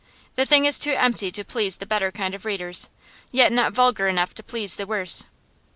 The thing is too empty to please the better kind of readers, yet not vulgar enough to please the worse.